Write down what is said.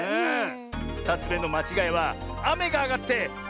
２つめのまちがいはあめがあがってあおぞらになってる！